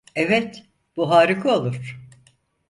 Evet, bu harika olur.